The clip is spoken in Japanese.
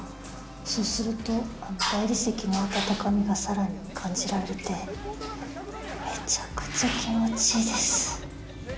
そうすると、大理石の温かみがさらに感じられてめちゃくちゃ気持ちいいです。